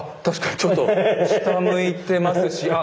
ちょっと下向いてますし。